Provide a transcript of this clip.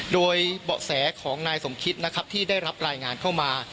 โดยเบาะแสของนายสมคิดนะครับที่ได้รับรายงานเข้ามา